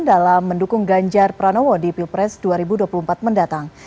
dalam mendukung ganjar pranowo di pilpres dua ribu dua puluh empat mendatang